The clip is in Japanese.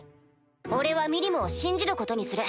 俺はミリムを信じることにする。